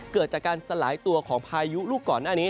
เกิดจากการสลายตัวของพายุลูกก่อนหน้านี้